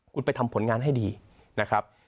คุณไปทำผลงานให้ดีนะครับ